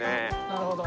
なるほど。